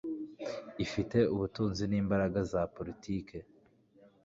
ifite ubutunzi n'imbaraga za politiki